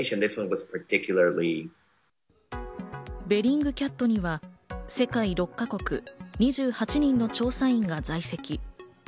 ベリングキャットには世界６か国、２８人の調査員が在籍。